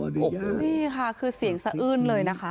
นี่ค่ะคือเสียงสะอื้นเลยนะคะ